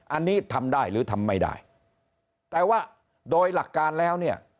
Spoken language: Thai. อันนี้ทำได้หรือทำไม่ได้แต่ว่าโดยหลักการแล้วเนี่ย